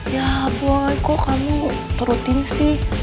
yah buang aja kok kamu turutin sih